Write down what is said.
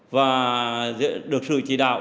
và được sự chỉ đạo